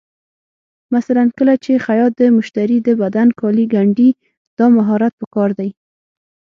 مثلا کله چې خیاط د مشتري د بدن کالي ګنډي، دا مهارت پکار دی.